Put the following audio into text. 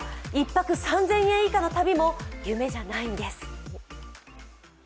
１泊３０００円以下の旅も夢じゃないんです。